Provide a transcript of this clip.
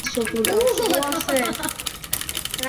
目前没有通用的记号来表示加加加速度的导数。